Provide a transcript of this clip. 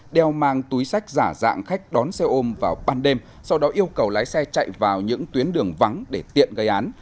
đeo mang túi sách giả dạng khách đón xe ôm vào ban đêm sau đó yêu cầu lái xe chạy vào những tuyến đường vắng để tiện gây án